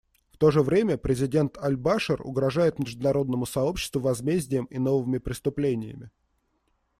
В то же время президент Аль-Башир угрожает международному сообществу возмездием и новыми преступлениями.